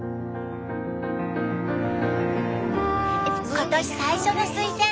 今年最初のスイセン。